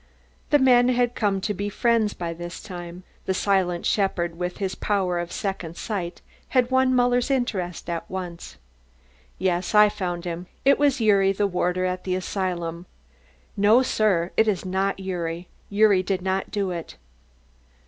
The men had come to be friends by this time. The silent shepherd with the power of second sight had won Muller's interest at once. "Yes, I found him. It is Gyuri, the warder at the asylum." "No, sir, it is not Gyuri Gyuri did not do it."